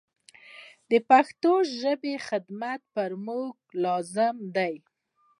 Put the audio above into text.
د پښتو ژبي خدمت پر موږ لازم دی.